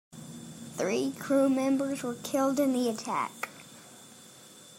Three crew members were killed in the attack.